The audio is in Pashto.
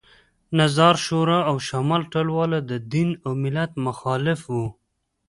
نظار شورا او شمال ټلواله د دین او ملت مخالف وو